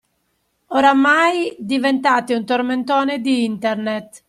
Oramai diventate un tormentone di Internet